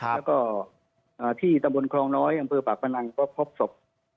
แล้วก็ที่ตำบลคลองน้อยอำเภอปากพนังก็พบศพ